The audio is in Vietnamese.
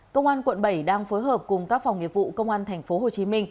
công an quận bảy đang phối hợp cùng các phòng nghiệp vụ công an tp hcm